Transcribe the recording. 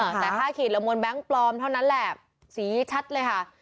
แต่ค่าขีดละมวลแบงค์ปลอมเท่านั้นแหละสีชัดเลยค่ะ